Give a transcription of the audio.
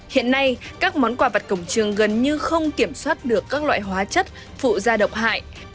hiện nay các món quà vặt cổng trường gần như không kiểm soát được các loại hóa chất phụ da độc hại